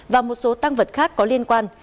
và một số tăng vật khác có liên quan